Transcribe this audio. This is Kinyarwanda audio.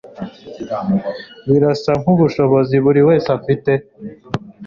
Birasa nkubushobozi buri wese afite